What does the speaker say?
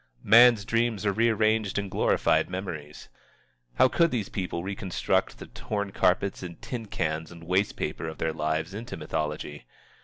Man's dreams are rearranged and glorified memories. How could these people reconstruct the torn carpets and tin cans and waste paper of their lives into mythology?